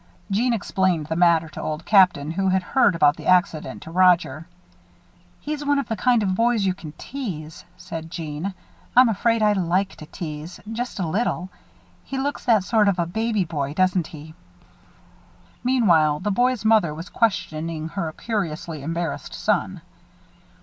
Jeanne explained the matter to Old Captain, who had heard about the accident to Roger. "He's one of the kind of boys you can tease," said Jeanne. "I'm afraid I like to tease, just a little. He looks like sort of a baby boy, doesn't he?" Meanwhile, the boy's mother was questioning her curiously embarrassed son.